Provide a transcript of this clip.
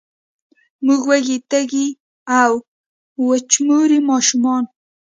موږ وږې، تږې او، وچموري ماشومان